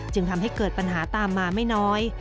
จึงทำให้เกิดปัญหาตามมาไม่น้อย